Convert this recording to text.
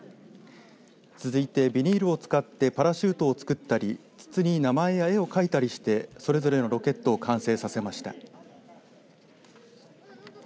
続いてビニールを使ってパラシュートを作ったり筒に名前や絵を描いたりしてそれぞれのロケットを完成させました。